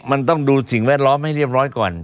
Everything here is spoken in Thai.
มันต้องดูสิ่งแวดล้อมให้เรียบร้อยก่อน